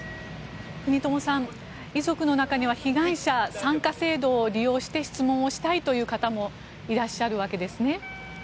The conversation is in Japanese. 國友さん、遺族の中には被害者参加制度を利用して質問をしたいという方もいらっしゃるわけですね。